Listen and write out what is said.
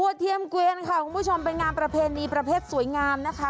เทียมเกวียนค่ะคุณผู้ชมเป็นงานประเพณีประเภทสวยงามนะคะ